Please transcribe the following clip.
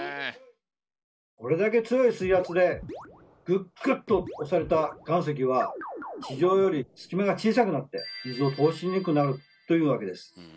これだけ強い水圧でグッグッと押された岩石は地上より隙間が小さくなって水を通しにくくなるというわけです。